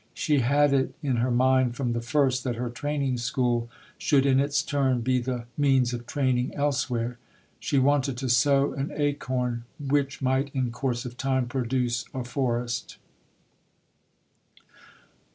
She had it in her mind from the first that her Training School should in its turn be the means of training elsewhere. She wanted to sow an acorn which might in course of time produce a forest.